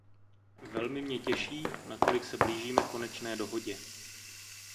Velmi mě těší, nakolik se blížíme konečné dohodě.